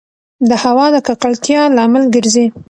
د هــوا د ککــړتـيـا لامـل ګـرځـي